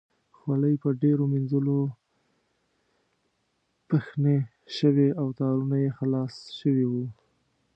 خولۍ په ډېرو مینځلو پښنې شوې او تارونه یې خلاص شوي وو.